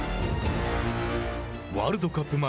ワールドカップ前。